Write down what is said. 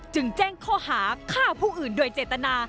แจ้งข้อหาฆ่าผู้อื่นโดยเจตนา